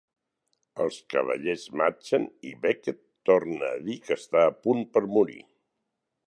Els cavallers marxen i Becket torna a dir que està a punt per morir.